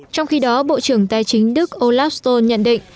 trong khi đó bộ trưởng tài chính đức olaf stolz nhận định